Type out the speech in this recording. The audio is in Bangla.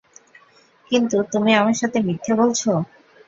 কিন্তু, তুমি আমার সাথে মিথ্যা বলছ!